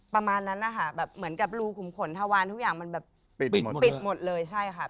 ประมาณนั้นนะคะแบบเหมือนกับรูขุมขนทวานทุกอย่างมันแบบปิดหมดปิดหมดเลยใช่ค่ะ